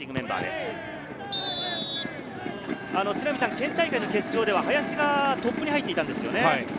県大会の決勝では林がトップに入っていたんですよね。